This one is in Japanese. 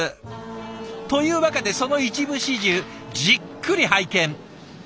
というわけでその一部始終じっくり拝見。